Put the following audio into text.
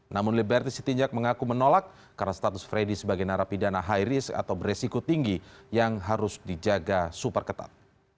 namun liberty sitinjak mengaku menolak karena status freddy sebagai narapidana high risk atau beresiko tinggi yang harus dijaga super ketat